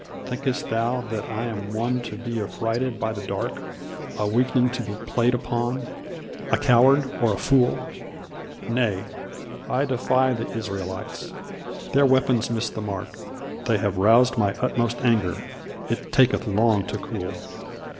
"Thinkst thou that I am one to be affrighted by the dark? A weakling to be played upon a coward or a fool? Nay! I defy the Israelites! Their weapons miss their mark, They have roused my utmost anger: it taketh long to cool.